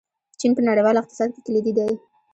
چین په نړیوال اقتصاد کې کلیدي دی.